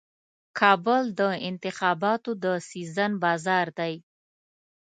کابل د انتخاباتو د سیزن بازار دی.